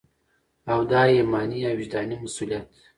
او دا ایماني او وجداني مسؤلیت